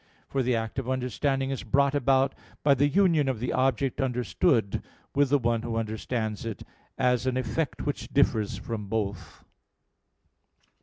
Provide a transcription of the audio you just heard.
For the act of understanding is brought about by the union of the object understood with the one who understands it, as an effect which differs from both.